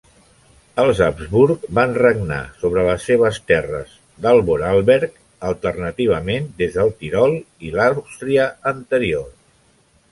Els Habsburg van regnar sobre les seves terres de Vorarlberg alternativament des del Tirol i Àustria Anterior.